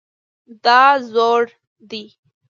دا زوړ دی